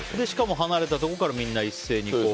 しかも離れたところからみんな一斉に。